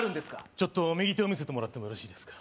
ちょっと右手を見せてもらってもよろしいですか？